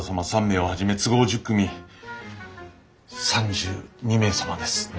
３名をはじめ都合１０組３２名様です。